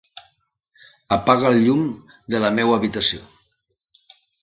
Apaga el llum de la meva habitació.